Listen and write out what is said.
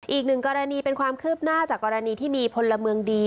อีกหนึ่งกรณีเป็นความคืบหน้าจากกรณีที่มีพลเมืองดี